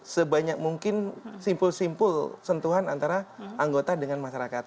sebanyak mungkin simpul simpul sentuhan antara anggota dengan masyarakat